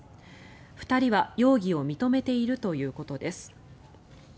２人は容疑を認めているということです。